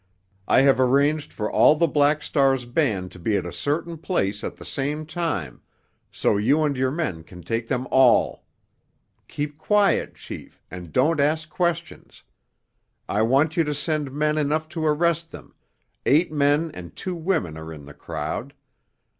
"I have arranged for all the Black Star's band to be at a certain place at the same time, so you and your men can take them all. Keep quiet, chief, and don't ask questions. I want you to send men enough to arrest them—eight men and two women are in the crowd.